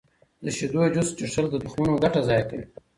د شیدو جوس څښل د تخمونو ګټه ضایع کوي.